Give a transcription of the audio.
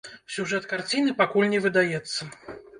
Сюжэт карціны пакуль не выдаецца.